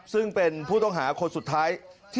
ซึ่งเป็นผู้ต้องหาคนสุดท้าย